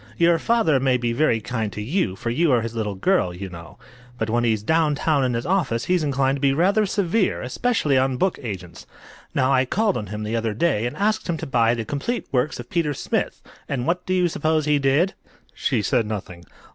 "Your father may be very kind to you, for you are his little girl, you know. But when he's down town in his office he's inclined to be rather severe, especially on book agents. Now, I called on him the other day and asked him to buy the 'Complete Works of Peter Smith,' and what do you suppose he did?" She said nothing.